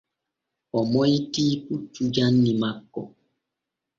O moytii puccu janni makko.